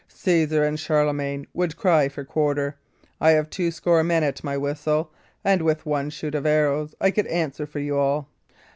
"Caesar and Charlemagne would cry for quarter. I have two score men at my whistle, and with one shoot of arrows I could answer for you all."